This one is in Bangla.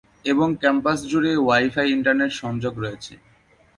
এবং ক্যাম্পাস জুড়ে ওয়াই-ফাই ইন্টারনেট সংযোগ রয়েছে।